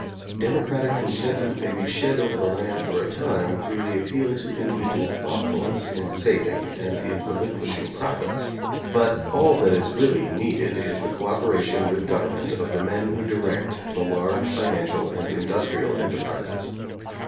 Democratic con tentment may be shed over the land for a time through the appeal to individual thoughtfulness in saving and in relinquishing profits. But all that is really needed is the cooperation with govern ment of the men who direct the large financial and industrial enterprises.